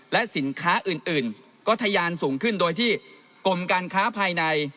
และสินค้าอื่นก็ทะยานสูงขึ้นโดยที่กรมการค้าภายใน